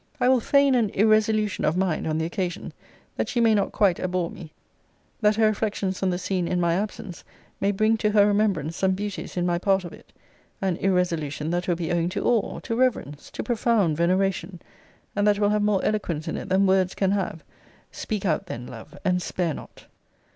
I will feign an irresolution of mind on the occasion, that she may not quite abhor me that her reflections on the scene in my absence may bring to her remembrance some beauties in my part of it: an irresolution that will be owing to awe, to reverence, to profound veneration; and that will have more eloquence in it than words can have. Speak out then, love, and spare not.